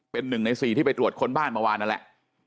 เป็น๑ใน๔ที่ไปตรวจค้นบ้านเมื่อวานนั่นแหละ